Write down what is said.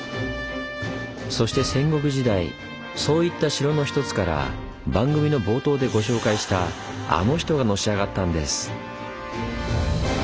そして戦国時代そういった城の一つから番組の冒頭でご紹介したあの人がのし上がったんです。